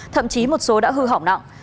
thậm chí một số đã hư hỏng nặng